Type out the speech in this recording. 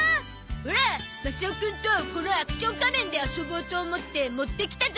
オラマサオくんとこのアクション仮面で遊ぼうと思って持ってきたゾ！